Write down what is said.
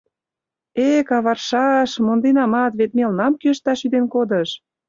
«Э, каваршаш, монденамат, вет мелнам кӱэшташ шӱден кодыш.